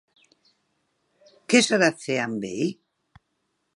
Què s'ha de fer amb ell?